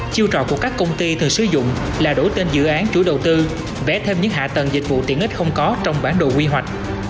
chiêu trò của các công ty thường sử dụng là đổi tên dự án chủ đầu tư vẽ thêm những hạ tầng dịch vụ tiện ích không có trong bản đồ quy hoạch